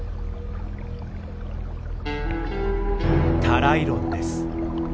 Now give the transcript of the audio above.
タライロンです。